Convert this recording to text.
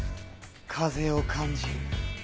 風を感じる。